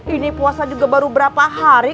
ini puasa juga baru berapa hari